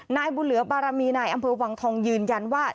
นายบุญเหลือบารมีนายอำเภอวังทองยืนยันว่า